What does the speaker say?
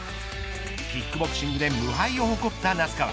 キックボクシングで無敗を誇った那須川。